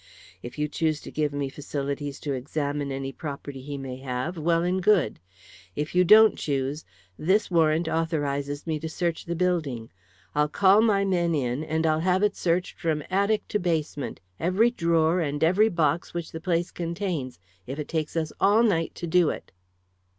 If you choose to give me facilities to examine any property he may have, well and good. If you don't choose, this warrant authorises me to search the building. I'll call my men in, and I'll have it searched from attic to basement every drawer and every box which the place contains, if it takes us all night to do it."